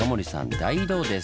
大移動です。